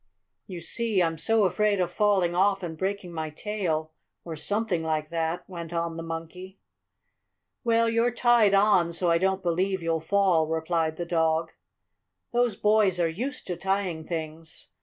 "You see I'm so afraid of falling off and breaking my tail, or something like that," went on the Monkey. "Well, you're tied on, so I don't believe you'll fall," replied the dog. "Those boys are used to tying things.